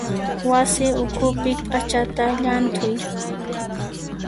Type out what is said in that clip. Wasi ukhupi p'achata llanthuy.